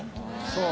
そう。